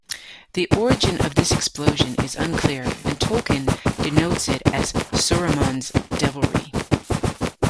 The origin of this explosion is unclear and Tolkien denotes it as "Saruman's devilry".